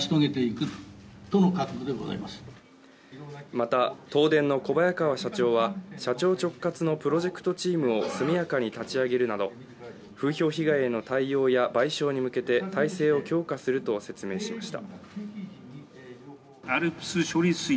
また、東電の小早川社長は社長直轄のプロジェクトチームを速やかに立ち上げるなど風評被害への対応や賠償に向けて体制を強化すると説明しました。